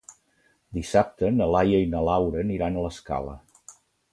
Dissabte na Laia i na Laura aniran a l'Escala.